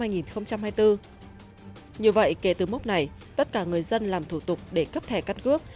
như vậy kể từ mốc này tất cả người dân làm thủ tục để cấp thẻ căn cước